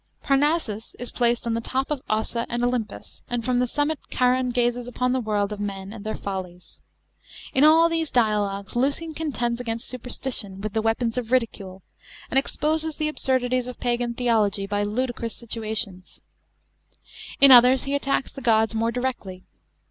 Parnassus is placed on the top of Ossa and Olympus, and from the summit Charon gazes upon the world of men and their follies. In all these dialogues Lucian contends against superstition with the weapons of ridicule, and exposes the absurdities of pagan theology by ludicrous situations In others he attacks the gods more directly.